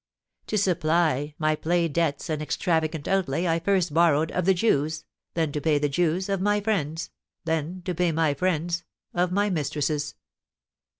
"To supply my play debts and extravagant outlay I first borrowed of the Jews, then, to pay the Jews, of my friends, then, to pay my friends, of my mistresses.